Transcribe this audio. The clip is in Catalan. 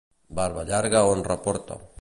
Barba llarga honra porta.